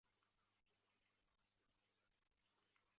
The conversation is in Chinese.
任第二十集团军陆军第三十二军司令部直属炮兵营营长等职。